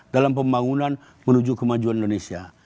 dalam pembangunan menuju kemajuan indonesia